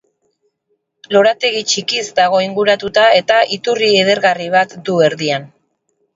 Lorategi txikiz dago inguratuta eta iturri edergarri bat du erdian.